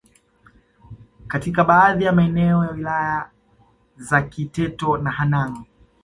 katika baadhi ya maeneo ya Wilaya za Kiteto na Hanang